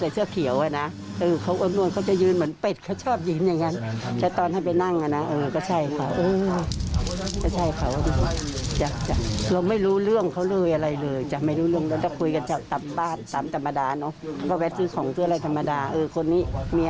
จะอืมก็สงสารนะเป็นเขานะขวาชัยเออสนุสารเขาอย่างนี้